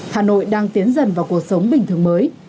hà nội đang tiến dần vào cuộc sống bình thường mới